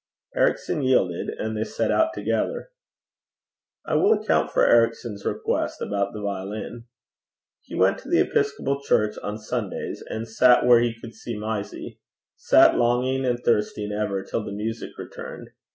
Ericson yielded; and they set out together. I will account for Ericson's request about the violin. He went to the episcopal church on Sundays, and sat where he could see Mysie sat longing and thirsting ever till the music returned.